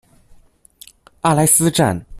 阿莱斯站。